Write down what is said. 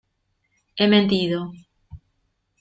he mentido